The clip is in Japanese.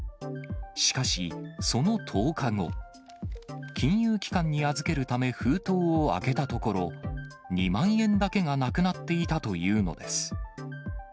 しかし、その１０日後、金融機関に預けるため、封筒を開けたところ、２万円だけがなくなっていたというのです。